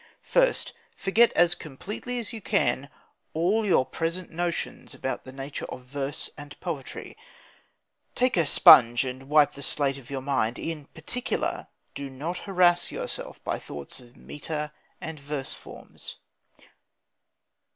First: Forget as completely as you can all your present notions about the nature of verse and poetry. Take a sponge and wipe the slate of your mind. In particular, do not harass yourself by thoughts of metre and verse forms.